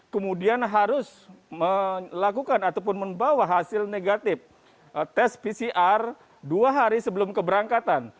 kemudian harus melakukan ataupun membawa hasil negatif tes pcr dua hari sebelum keberangkatan